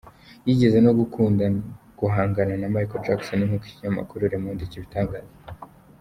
Yigeze no gukunda guhangana na Michael Jackson nk’uko ikinyamakuru Le Monde kibitangaza.